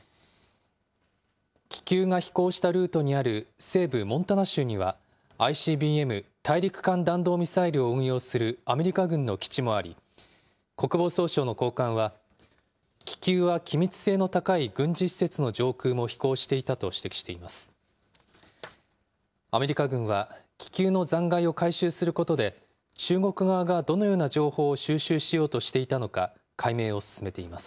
気球が飛行したルートにある西部モンタナ州には、ＩＣＢＭ・大陸間弾道ミサイルを運用するアメリカ軍の基地もあり、国防総省の高官は、気球は機密性の高い軍事施設の上空も飛行していたと指摘しています。